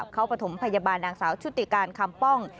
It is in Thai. เขาประถมพยาบาลนางสาวชุติการคำป้อง